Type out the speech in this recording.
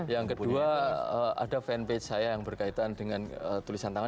yang kedua ada fanpage saya yang berkaitan dengan tulisan tangan